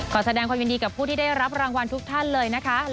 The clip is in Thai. แสดงความยินดีกับผู้ที่ได้รับรางวัลทุกท่านเลยนะคะ